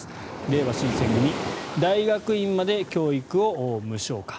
れいわ新選組大学院まで教育を無償化。